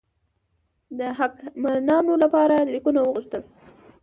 د حکمرانانو لپاره لیکونه وغوښتل.